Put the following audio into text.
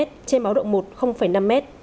dưới báo động một năm m